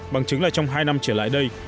bằng chứng là trong hai năm trở lại đây